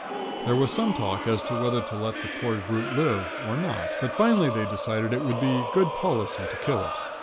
There was some talk as to whether to let the poor brute live, or not; but finally they decided it would be good policy to kill it.